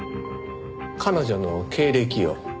彼女の経歴を。